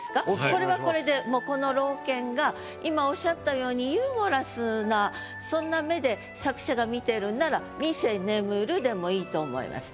これはこれでもうこの老犬が今おっしゃったようにユーモラスなそんな目で作者が見てるんなら「見せ眠る」でもいいと思います。